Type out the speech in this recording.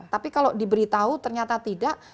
tapi kalau diberitahu ternyata tidak